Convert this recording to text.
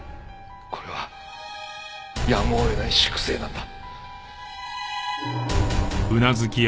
これはやむを得ない粛清なんだ。